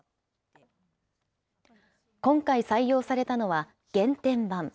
今回、採用されたのは原典版。